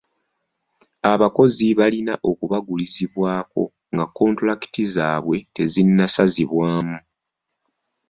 Abakozi balina okubagulizibwako nga kontulakiti zaabwe tezinnasazibwamu.